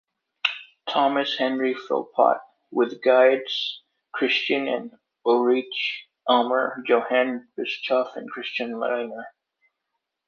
Thomas Henry Philpot, with guides Christian and Ulrich Almer, Johann Bischof, and Christian Lauener.